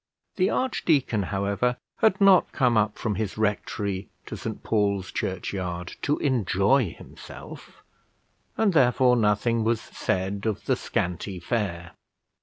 The archdeacon, however, had not come up from his rectory to St Paul's Churchyard to enjoy himself, and therefore nothing was said of the scanty fare.